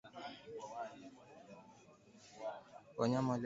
wanyama walioathirika kwenye kundi idadi ya vifo msambao dalili za ugonjwa